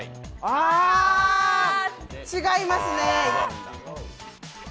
あ、違いますね。